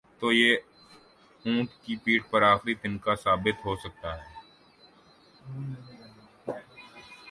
تو یہ اونٹ کی پیٹھ پر آخری تنکا ثابت ہو سکتا ہے۔